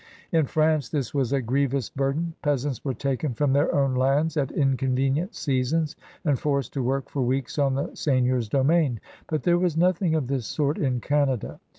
In France this was a grievous burden; peasants were taken from their own lands at inconvenient seasons and forced to work for weeks on the seigneur's domain. But there was nothing of this sort in Canada.